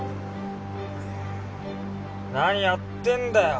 何やってんだよ